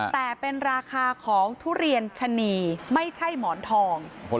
แต่เป็นราคาของทุเรียนชะนีไม่ใช่หมอนทอง